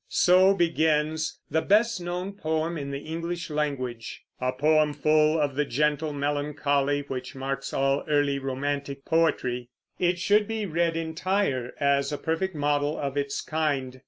So begins "the best known poem in the English language," a poem full of the gentle melancholy which marks all early romantic poetry. It should be read entire, as a perfect model of its kind.